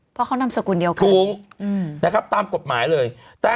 เพราะเขานำสกุลเดียวกันถูกนะครับตามกฎหมายเลย